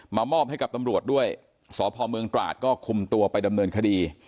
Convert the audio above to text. มอบให้กับตำรวจด้วยสพเมืองตราดก็คุมตัวไปดำเนินคดี